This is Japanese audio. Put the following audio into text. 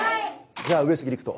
じゃあ上杉陸斗。